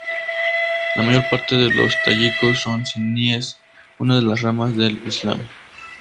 La mayor parte de los tayikos son suníes, una de las ramas del islam.